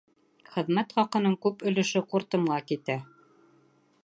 Хеҙмәт хаҡының күп өлөшө ҡуртымға китә.